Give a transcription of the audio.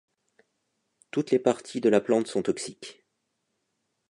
Toutes les parties de la plante sont toxiques.